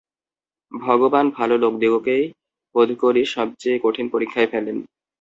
ভগবান ভালো লোকদিগকেই বোধ করি সব চেয়ে কঠিন পরীক্ষায় ফেলেন।